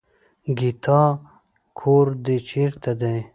ګيتا کور دې چېرته دی.